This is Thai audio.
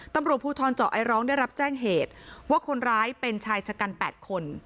ตำรวจภูทรเจาะไอร้องได้รับแจ้งเหตุว่าคนร้ายเป็นชายชะกัน๘คน